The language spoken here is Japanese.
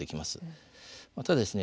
ただですね